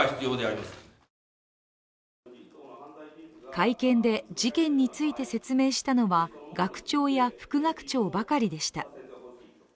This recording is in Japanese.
会見で事件について説明したのは学長や副学長ばかりでした。